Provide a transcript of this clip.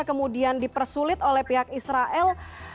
kemudian dipersulit oleh pihak israel